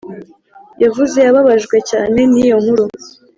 yavuze yababajwe cyane niyo nkuru